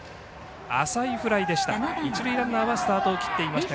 浅いフライでした。